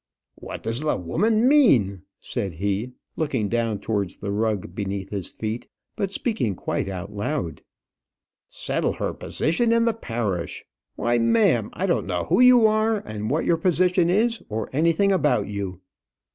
"What does the woman mean?" said he, looking down towards the rug beneath his feet, but speaking quite out loud. "Settle her position in the parish! Why, ma'am, I don't know who you are, and what your position is, or anything about you."